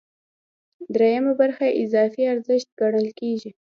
درېیمه برخه اضافي ارزښت ګڼل کېږي